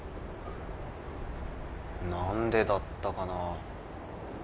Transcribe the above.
何でだったかな。